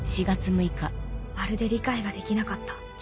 まるで理解ができなかった